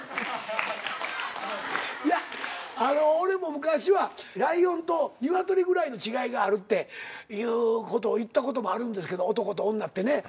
いや俺も昔はライオンとニワトリぐらいの違いがあるっていうことを言ったこともあるんですけど男と女ってね。